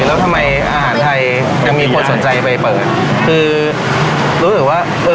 แล้วทำไมอาหารไทยยังมีคนสนใจไปเปิดคือรู้สึกว่าเออ